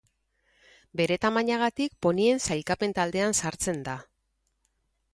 Bere tamainagatik ponien sailkapen taldean sartzen da.